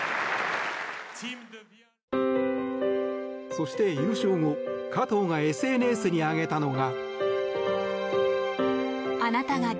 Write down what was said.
そして、優勝後加藤がＳＮＳに上げたのが。